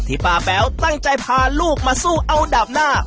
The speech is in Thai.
ป้าแป๊วตั้งใจพาลูกมาสู้เอาดาบหน้า